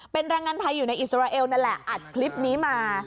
เป็นแรงงานไทยอยู่ในอิสราเอลนั่นแหละอัดคลิปนี้มา